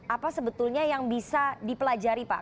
apa sebetulnya yang bisa dipelajari pak